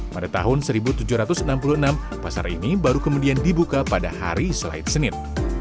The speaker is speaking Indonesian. pada tahun seribu tujuh ratus enam puluh enam pasar ini baru kemudian dibuka pada hari selain senin